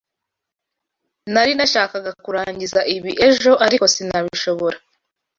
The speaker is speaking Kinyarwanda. Nari nashakaga kurangiza ibi ejo, ariko sinabishobora.